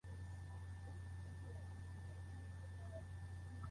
Buds are pointed and ovoid.